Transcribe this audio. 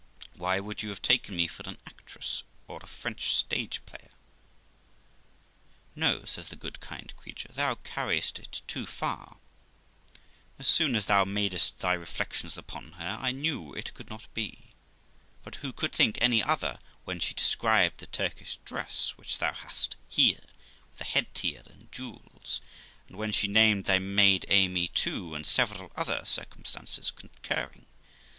Why, would you have taken me for an actress, or a French stage player?' 'No', says the good kind creature, 'thou carriest it too far; as soon as thou madest thy reflections upon her, I knew it could not be ; but who could think any other when she described the Turkish dress which thou hast here, with the head tire and jewels, and when she named thy maid Amy too, and several other circumstances con curring?